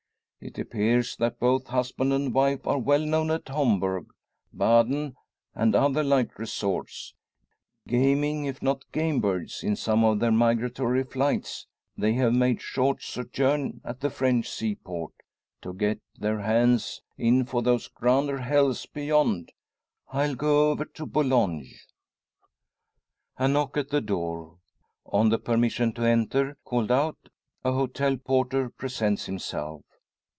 It appears that both husband and wife are well known at Homburg, Baden, and other like resorts. Gaming, if not game, birds, in some of their migratory flights they have made short sojourn at the French seaport, to get their hands in for those grander Hells beyond. I'll go over to Boulogne!" A knock at the door. On the permission to enter, called out, a hotel porter presents himself.